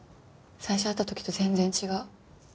最初会った時と全然違う。